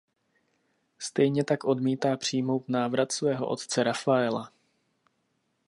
Stejně tak odmítá přijmout návrat svého otce Rafaela.